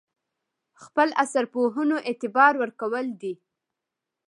خپل عصر پوهنو اعتبار ورکول دي.